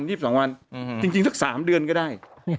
๒๒วันจริงสัก๓เดือนก็ได้